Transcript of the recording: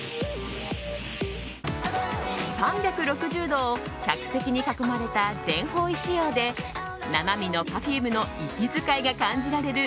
３６０度を客席に囲まれた全方位仕様で生身のＰｅｒｆｕｍｅの息遣いが感じられる